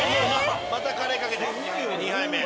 またカレーかけて２杯目。